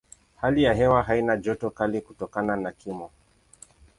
Hali ya hewa haina joto kali kutokana na kimo.